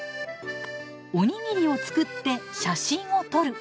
おにぎりを作って写真を撮る。